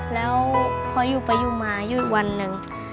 แล้วพออยู่ไปอยู่มาอยู่อีกวันหนึ่ง